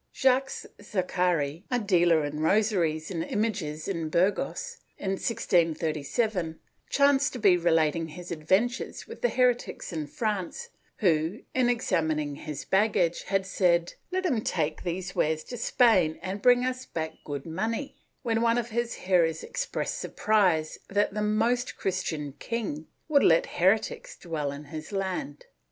Jacques Zacharie, a dealer in rosaries and images in Burgos, in 1637, chanced to be relating his adventures with the heretics in France who, in examining his baggage, had said " Let him take these wares to Spain and bring us back good money," when one of his hearers expressed surprise that the Most Christian king would let heretics dwell in his land.